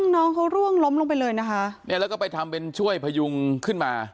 น้องเขาร่วงล้มลงไปเลยนะคะเนี่ยแล้วก็ไปทำเป็นช่วยพยุงขึ้นมา